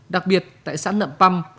đặc biệt tại xã nậm păm